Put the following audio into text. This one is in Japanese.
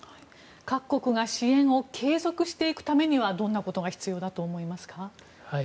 各国が支援を継続していくためにはどんなことが必要だと思いますか？